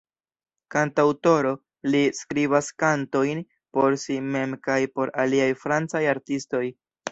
Kantaŭtoro, li skribas kantojn por si mem kaj por aliaj francaj artistoj.